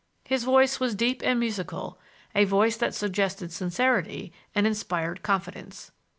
His voice was deep and musical,—a voice that suggested sincerity and inspired confidence.